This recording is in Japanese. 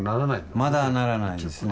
まだならないんですね。